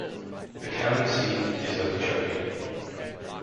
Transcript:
The county seat is Okeechobee.